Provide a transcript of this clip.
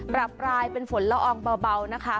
ปลายเป็นฝนละอองเบานะคะ